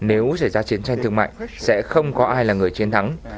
nếu xảy ra chiến tranh thương mại sẽ không có ai là người chiến thắng